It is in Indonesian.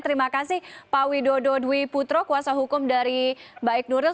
terima kasih pak widodo dwi putro kuasa hukum dari baik nuril